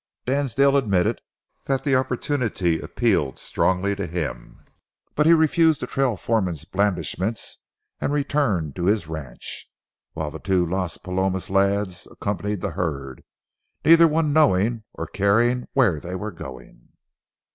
Dansdale admitted that the opportunity appealed strongly to him, but he refused the trail foreman's blandishments and returned to his ranch, while the two Las Palomas lads accompanied the herd, neither one knowing or caring where they were going.